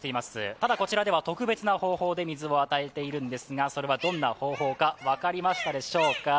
ただこちらでは特別な方法で水を与えているんですが、それはどんな方法か分かりましたでしょうか。